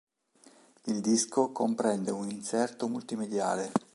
Il disco comprende un inserto multimediale.